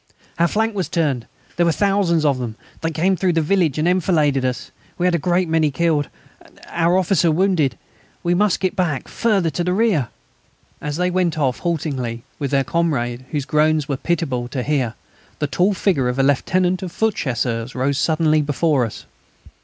"Our flank was turned; there are thousands of them. They came through the village and enfiladed us. We had a great many killed ... our officer wounded. We must get back further to the rear." As they went off haltingly with their comrade, whose groans were pitiable to hear, the tall figure of a lieutenant of foot Chasseurs rose suddenly before us.